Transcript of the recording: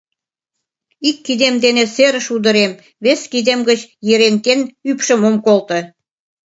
Ик кидем дене серыш удырем, вес кидем гыч Ерентен ӱпшым ом колто.